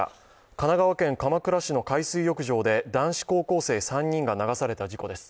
神奈川県鎌倉市の海水浴場で男子高校生３人が流された事故です。